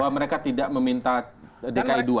bahwa mereka tidak meminta dki ii